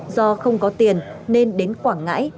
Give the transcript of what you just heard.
do không có tiền nên đến quảng ngãi